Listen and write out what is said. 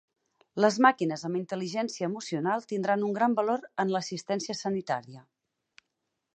Les màquines amb intel·ligència emocional tindran un gran valor en l'assistència sanitària.